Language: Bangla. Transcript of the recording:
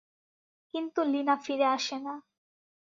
কিন্তু লীনা ফিরে আসে না।